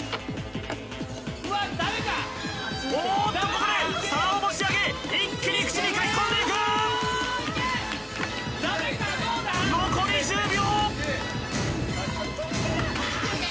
おっとここで皿を持ち上げ一気に口にかき込んでいく残り１０秒！